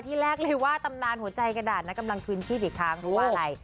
แรกเลยว่าตำนานหัวใจกระดาษนะกำลังคืนชีพอีกครั้งเพราะว่าอะไร